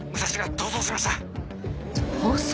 逃走？